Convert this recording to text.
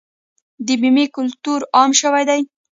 د بیمې کلتور عام شوی دی؟